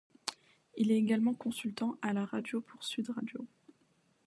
Il est également consultant à la radio pour Sud Radio.